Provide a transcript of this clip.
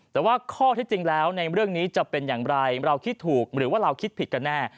แต่ว่าข้อที่จริงแล้วในเรื่องนี้จะเป็นอย่างไรเราคิดถูกหรือว่าเราคิดผิดกันแน่